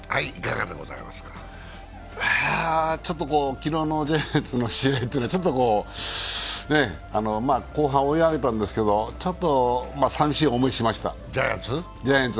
昨日のジャイアンツの試合というのは、ちょっと後半追い上げたんですけど、寂しい思いをしました。